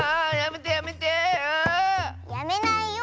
やめないよだ。